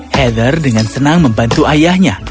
heather dengan senang membantu ayahnya